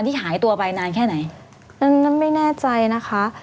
แล้วไม่แน่ใจนะคะ